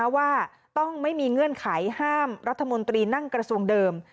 ว่าต้องไม่มีเงื่อนไขห้ามรัฐมนตรีนั่งกระทรวงเดิม